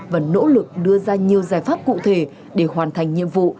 và nỗ lực đưa ra nhiều giải pháp cụ thể để hoàn thành nhiệm vụ